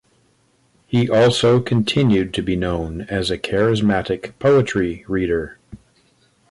He also continued to be known as a charismatic poetry reader.